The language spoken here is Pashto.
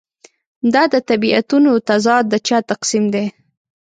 دا د طبیعتونو تضاد د چا تقسیم دی.